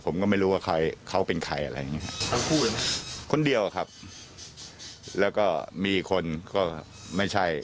ผู้หญิงเขาเสร็จแล้วเขาออกไป